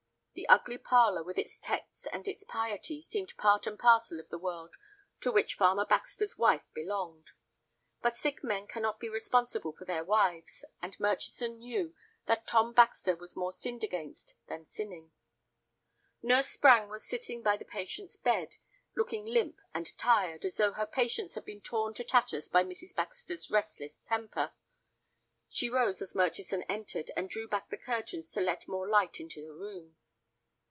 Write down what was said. The ugly parlor, with its texts and its piety, seemed part and parcel of the world to which farmer Baxter's wife belonged. But sick men cannot be responsible for their wives, and Murchison knew that Tom Baxter was more sinned against than sinning. Nurse Sprange was sitting by the patient's bed, looking limp and tired, as though her patience had been torn to tatters by Mrs. Baxter's restless temper. She rose as Murchison entered, and drew back the curtains to let more light into the room.